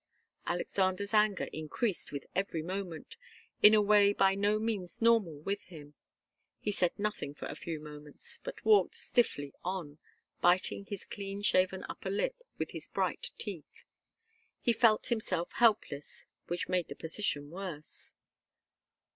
Alexander's anger increased with every moment, in a way by no means normal with him. He said nothing for a few moments, but walked stiffly on, biting his clean shaven upper lip with his bright teeth. He felt himself helpless, which made the position worse.